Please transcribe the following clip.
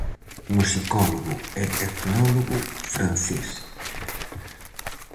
Musicólogo e etnólogo francés.